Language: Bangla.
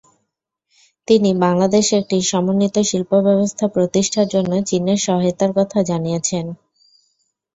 তিনি বাংলাদেশে একটি সমন্বিত শিল্পব্যবস্থা প্রতিষ্ঠার জন্য চীনের সহায়তার কথা জানিয়েছেন।